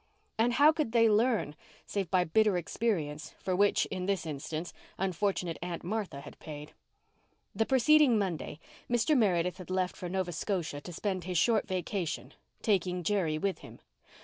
And how could they learn, save by bitter experience for which, in this instance, unfortunate Aunt Martha had paid? The preceding Monday Mr. Meredith had left for Nova Scotia to spend his short vacation, taking Jerry with him.